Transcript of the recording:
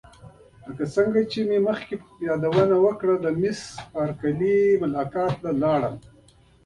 لکه څنګه چې مې مخکې یادونه وکړه د میس بارکلي ملاقات ته ولاړم.